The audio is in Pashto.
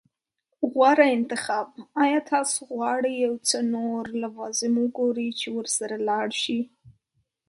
غوره انتخاب. ایا تاسو غواړئ یو څه نور لوازم وګورئ چې ورسره لاړ شئ؟